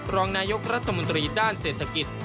รองนายกรัฐมนตรีด้านเศรษฐกิจ